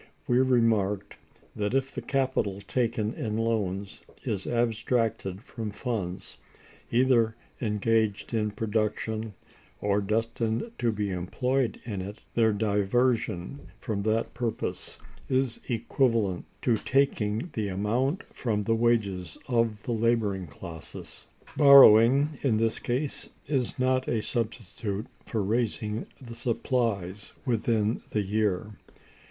(355) We remarked, that if the capital taken in loans is abstracted from funds either engaged in production, or destined to be employed in it, their diversion from that purpose is equivalent to taking the amount from the wages of the laboring classes. Borrowing, in this case, is not a substitute for raising the supplies within the year.